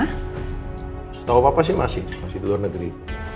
setahu apa apa sih masih masih di luar negeri